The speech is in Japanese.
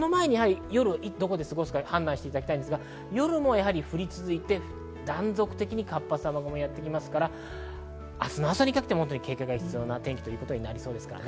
この前に夜どこで過ごすか判断してほしいんですが、夜も降り続いて断続的に活発な雨雲がやってきますから明日の朝にかけても警戒が必要です。